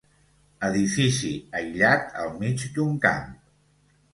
Edifici aïllat al mig d'un camp.